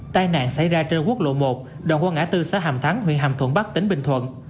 tai nạn xảy ra trên quốc lộ một đoạn qua ngã tư xã hàm thắng huyện hàm thuận bắc tỉnh bình thuận